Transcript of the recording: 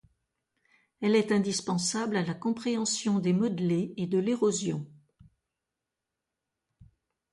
Elle est indispensable à la compréhension des modelés et de l'érosion.